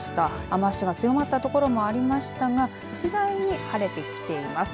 雨足が強まった所もありましたが次第に晴れてきています。